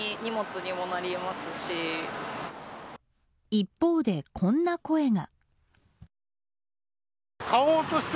一方で、こんな声が。